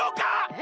え？